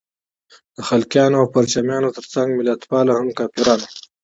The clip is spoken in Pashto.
د خلقیانو او پرچمیانو تر څنګ ملتپال هم کافران وو.